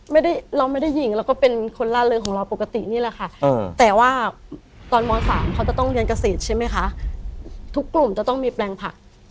ไม่ได้เราไม่ได้หญิงเราก็เป็นคนล่าเริงของเราปกตินี่แหละค่ะแต่ว่าตอนม๓เขาจะต้องเรียนเกษตรใช่ไหมคะทุกกลุ่มจะต้องมีแปลงผัก